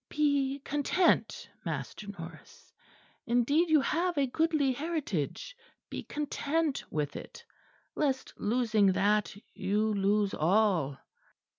Be content, Master Norris; indeed you have a goodly heritage; be content with it; lest losing that you lose all."